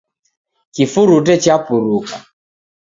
Kifurute chapuruka